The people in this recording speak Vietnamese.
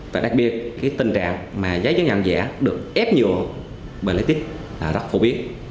và đặc biệt cái tình trạng mà giấy nhận giả được ép nhựa bởi lý tích là rất phổ biến